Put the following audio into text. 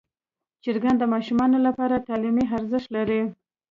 چرګان د ماشومانو لپاره تعلیمي ارزښت لري.